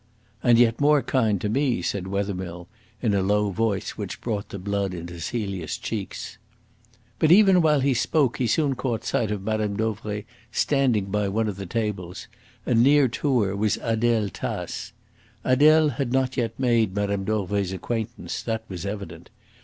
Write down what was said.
"And yet more kind to me," said Wethermill in a low voice which brought the blood into Celia's cheeks. But even while he spoke he soon caught sight of Mme. Dauvray standing by one of the tables; and near to her was Adele Tace. Adele had not yet made Mme. Dauvray's acquaintance; that was evident.